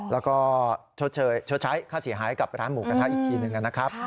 แล้วก็ชดใช้ค่าเสียหายกับร้านหมูกระทะอีกทีหนึ่งนะครับ